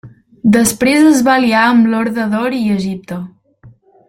Després es va aliar amb l'horda d'or i Egipte.